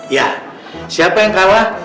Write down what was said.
ya siapa yang kalah